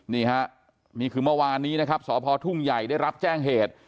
นี่ฮะนี่คือเมื่อวานนี้นะครับสพทุ่งใหญ่ได้รับแจ้งเหตุ